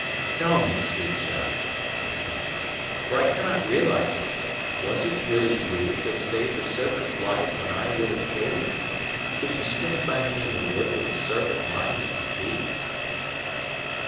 "Tell me, sweet child," I said, "for I cannot realize it yet; was it really you that saved the serpent's life when I would have killed it did you stand by me in the wood with the serpent lying at your feet?"